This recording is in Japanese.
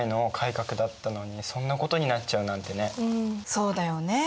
そうだよね。